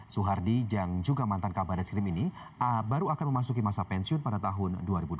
suhardi yang juga mantan kabar eskrim ini baru akan memasuki masa pensiun pada tahun dua ribu dua puluh